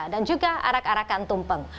dan juga arak arakan tumpeng